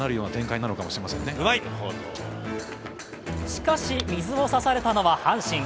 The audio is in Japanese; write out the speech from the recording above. しかし、水を差されたのは阪神。